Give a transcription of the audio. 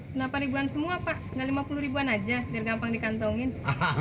kenapa ribuan semua pak nggak lima puluh ribuan aja biar gampang dikantongin